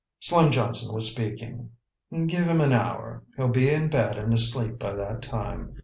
Slim Johnson was speaking: "Give him an hour. He'll be in bed and asleep by that time.